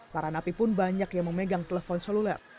para napi pun banyak yang memegang telepon seluler